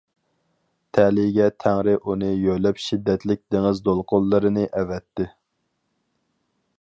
تەلىيىگە تەڭرى ئۇنى يۆلەپ شىددەتلىك دېڭىز دولقۇنلىرىنى ئەۋەتتى.